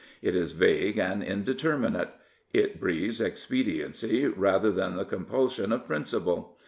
It is vague and indeterminate. It breathes expediency rather than the compulsion of principle.